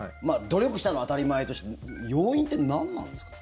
努力したのは当たり前として要因って何なんですか？